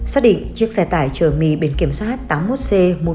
xác định chiếc xe tải chờ mì bên kiểm soát tám mươi một c một trăm một mươi một hai mươi năm